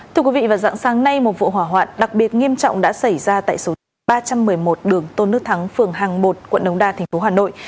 thưa quý vị và dạng sáng nay một vụ hỏa hoạn đặc biệt nghiêm trọng đã xảy ra tại số ba trăm một mươi một đường tôn nước thắng phường hàng bột quận đồng đa thành phố hà nội